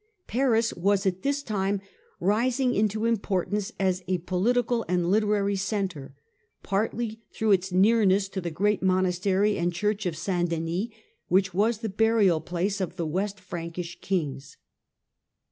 Paris was at this time rising into importance as a political and literary centre, partly through its nearness to the great monastery and Church of St. Denis, which was the burial place of the West Frankish kings.